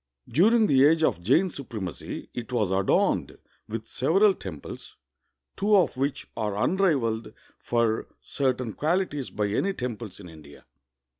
... During the age of Jain supremacy, it was adorned with several temples, two of which are unrivaled for certain qualities by any temples in India.